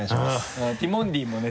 ティモンディもね